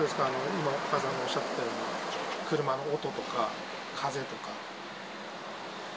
今、お母さんがおっしゃったように、車の音とか、風とか？